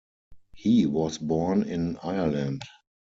He was born in Ireland.